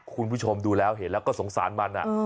คุณผู้ชมดูแล้วเห็นแล้วก็สงสารมัน